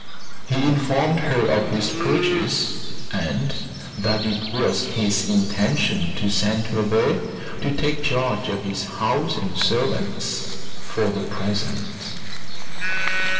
He informed her of his purchase, and that it was his intention to send her there to take charge of his house and servants, for the present.